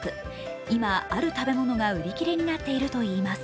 今、ある食べ物が売り切れになっているといいます。